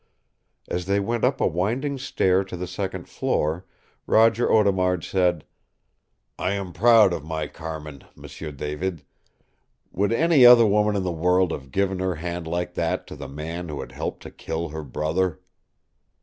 As they went up a winding stair to the second floor, Roger Audemard said, "I am proud of my Carmin, M'sieu David. Would any other woman in the world have given her hand like that to the man who had helped to kill her brother?"